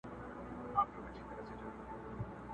چي له وېري راوتای نه سي له کوره!!